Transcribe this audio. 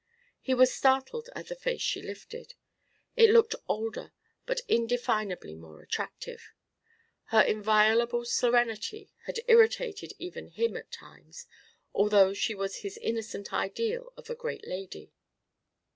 He was startled at the face she lifted. It looked older but indefinably more attractive. Her inviolable serenity had irritated even him at times, although she was his innocent ideal of a great lady.